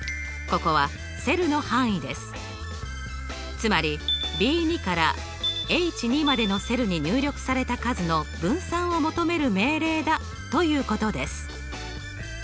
つまりＢ２からＨ２までのセルに入力された数の分散を求める命令だということです。